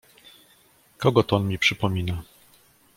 "Kogo to on mi przypomina?"